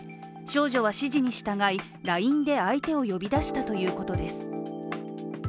少女は指示に従い、ＬＩＮＥで相手を呼び出したということです。